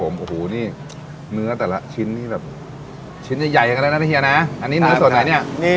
โอ้โหเนื้อแต่ละชิ้นชิ้นใหญ่อย่างไรนะนี่เนื้อส่วนไหนเนี่ย